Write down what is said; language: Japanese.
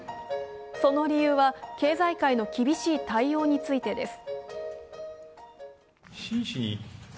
その理由は、経済界の厳しい対応についてです。